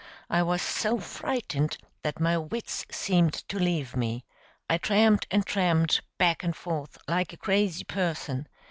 I was so frightened that my wits seemed to leave me. I tramped and tramped, back and forth, like a crazy person.